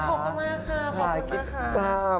ขอบคุณมากค่ะขอบคุณด้วยค่ะ